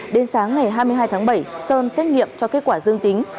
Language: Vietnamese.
đến sáng ngày hai mươi hai tháng bảy sơn xét nghiệm cho kết quả dương tính